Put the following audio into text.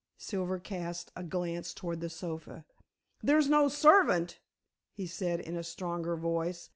Silver cast a glance towards the sofa. "There's no servant," he said in a stronger voice.